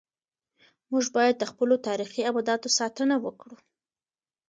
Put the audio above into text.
موږ باید د خپلو تاریخي ابداتو ساتنه وکړو.